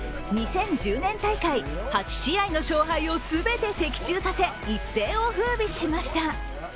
２０１０年大会、８試合の勝敗を全て的中させ一世をふうびしました。